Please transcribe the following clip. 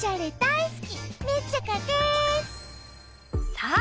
さあ